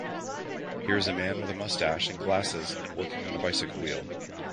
Here is a man with a mustache and glasses and working on a bicycle wheel.